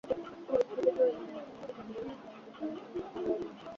পরিস্থিতির প্রয়োজনে এখন নাকি তাঁকে নিয়ে আসা হতে পারে আরও আগেই।